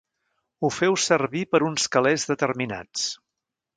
Ho feu servir per uns calés determinats.